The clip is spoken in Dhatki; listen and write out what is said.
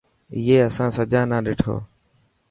اي اسان سجا نا ڏٺو.